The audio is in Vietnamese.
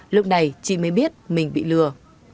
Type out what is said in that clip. lúc này chị mới biết mình bị lừa